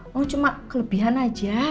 mau cuma kelebihan aja